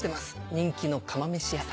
人気の釜飯屋さん。